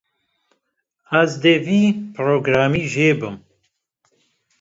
Ez dê vî programî jêbim.